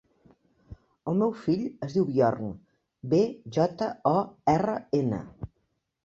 El meu fill es diu Bjorn: be, jota, o, erra, ena.